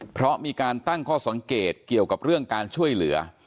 เพราะมีการตั้งข้อสังเกตเกี่ยวกับเรื่องการช่วยเหลือ